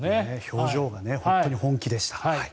表情が本当に本気でした。